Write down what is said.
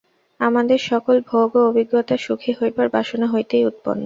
আমাদের সকল ভোগ ও অভিজ্ঞতা সুখী হইবার বাসনা হইতেই উৎপন্ন।